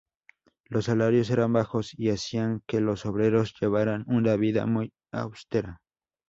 Los salarios eran bajos y hacían que los obreros llevaran una vida muy austera.